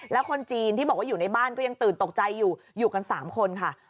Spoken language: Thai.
แล้วคนจีนที่บอกว่าอยู่ในบ้านก็ยังตื่นตกใจอยู่อยู่กัน๓คนค่ะ